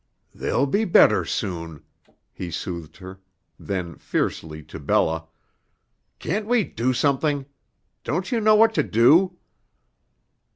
"They'll be better soon," he soothed her; then fiercely to Bella: "Can't we do something? Don't you know what to do?"